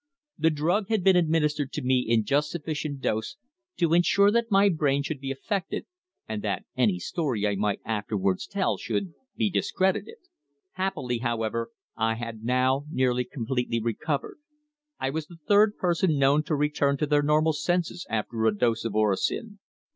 The drug had been administered to me in just sufficient dose to ensure that my brain should be affected, and that any story I might afterwards tell should be discredited. Happily, however, I had now nearly completely recovered. I was the third person known to return to their normal senses after a dose of orosin.